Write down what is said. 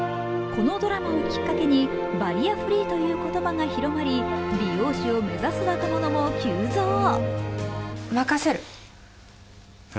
このドラマをきっかけにバリアフリーという言葉が広まり美容師を目指す若者も急増。